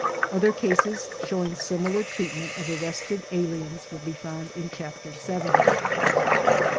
Other cases showing similar treatment of ar rested aliens will be found in Chapter VII.